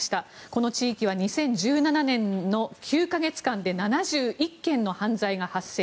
この地域は２０１７年の９か月間で７１件の犯罪が発生。